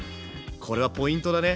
これはポイントだね。